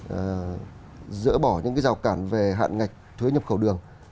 nghĩa là chúng ta sẽ phải dỡ bỏ những cái rào cản về hạn ngạch thuế nhập khẩu đường